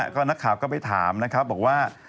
ก็นักข่าวก็ไปถามนะครับบอกว่า